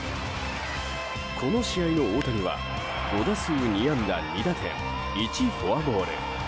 この試合の大谷は５打数２安打２打点１フォアボール。